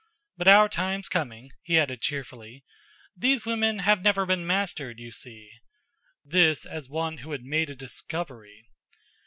"But our time's coming," he added cheerfully. "These women have never been mastered, you see " This, as one who had made a discovery.